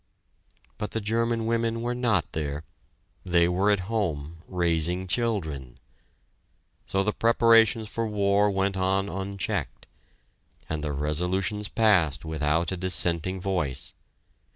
But the German women were not there they were at home, raising children! So the preparations for war went on unchecked, and the resolutions passed without a dissenting voice.